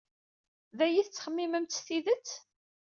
D aya ay tettxemmimemt s tidet?